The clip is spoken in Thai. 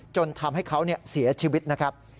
จนทำให้เขาเสียชีวิตนะครับ